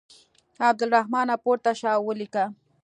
عبدالرحمانه پورته شه او ولیکه.